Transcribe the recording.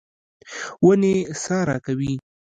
ونې سا راکوي.